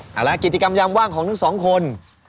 ครั้งแล้วกิธีกรรมยามว่างของทุกสองคน